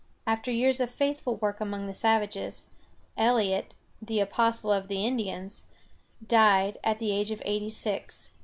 After years of faithful work among the savages, Eliot, the "Apostle of the Indians," died, at the age of eighty six.